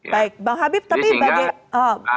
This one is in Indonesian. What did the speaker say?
baik bang habib tapi bagaimana